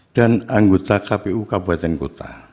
dan anggota kpu kabupaten kota